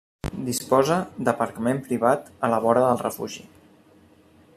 Disposa d'aparcament privat a la vora del refugi.